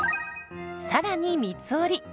さらに三つ折り。